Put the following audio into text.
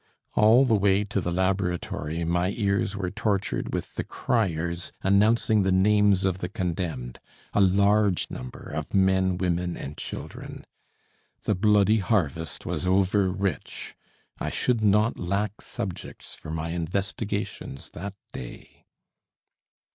All the way to the laboratory my ears were tortured with the criers announcing the names of the condemned, a large number of men, women, and children. The bloody harvest was over rich. I should not lack subjects for my investigations that day.